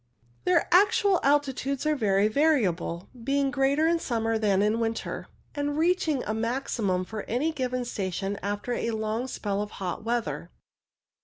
30 CIRRUS Their actual altitudes are very variable, being greater in summer than in winter, and reaching a maximum for any given station after a long spell of hot weather.